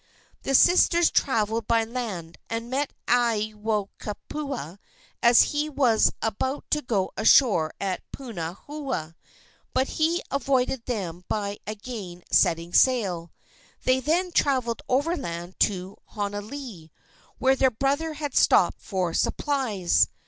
The sisters traveled by land and met Aiwohikupua as he was about to go ashore at Punahoa, but he avoided them by again setting sail. They then traveled overland to Honolii, where their brother had stopped for supplies.